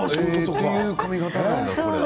そういう髪形なんだ。